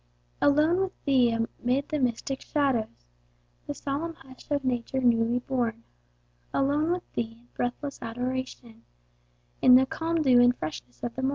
Alone with Thee, amid the mystic shadows, The solemn hush of nature newly born; Alone with Thee in breathless adoration, In the calm dew and freshness of the morn.